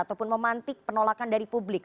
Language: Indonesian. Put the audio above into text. ataupun memantik penolakan dari publik